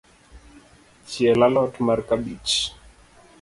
Chiel a lot mar kabich.